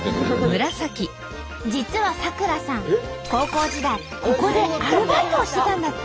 実は咲楽さん高校時代ここでアルバイトをしてたんだって！